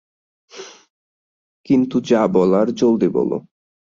কিন্তু যা বলার জলদি বলো!